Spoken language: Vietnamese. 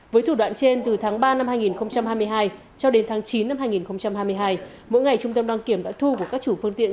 với thủ đoạn trên từ tháng ba năm hai nghìn hai mươi hai cho đến tháng chín năm hai nghìn hai mươi hai mỗi ngày trung tâm đăng kiểm đã thu của các chủ phương tiện